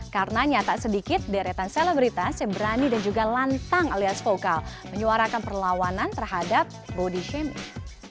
karena nyata sedikit deretan selebritas yang berani dan juga lantang alias vokal menyuarakan perlawanan terhadap body shaming